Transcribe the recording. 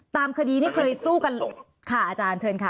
ตามคดีที่เคยสู้กันค่ะอาจารย์เชิญค่ะ